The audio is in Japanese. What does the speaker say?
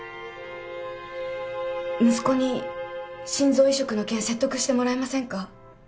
息子に心臓移植の件説得してもらえませんか？